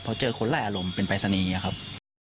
เพราะเจอคนแหละอารมณ์เป็นไปรษณีย์ครับ